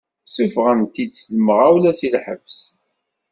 Ssufɣen-t-id s lemɣawla si lḥebs.